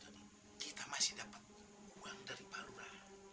tapi lihat pak tony kita masih dapat uang dari paru paru